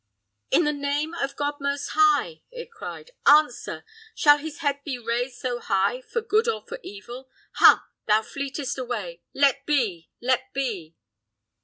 "In the name of God most high," it cried, "answer! Shall his head be raised so high for good or for evil? Ha! thou fleetest away! Let be! let be!"